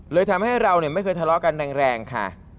เลยทำให้เราเนี่ยไม่เคยทะเลาะกันแรงค่ะ